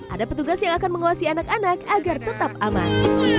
ada petugas yang akan menguasai anak anak agar tetap aman